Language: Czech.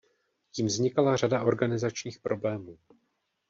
Tím vznikala řada organizačních problémů.